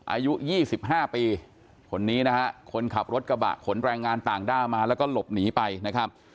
อายุ๒๕ปีคนนี้นะฮะคนขับรถกระบะขนแรงงานต่างด้าวมาแล้วก็หลบหนีไปนะครับ